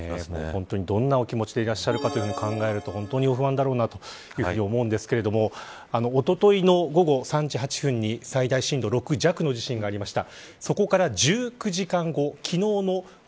ほんとにどんなお気持ちでいらっしゃるかと考えると本当に、お不安だろうなと思うんですけどおとといの午後３時８分に最大震度６弱の地震が出ました。